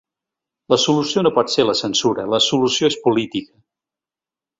La solució no pot ser la censura, la solució és política.